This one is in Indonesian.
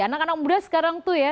anak anak muda sekarang tuh ya